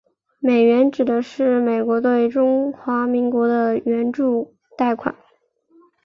美援指的是美国对中华民国的援助贷款。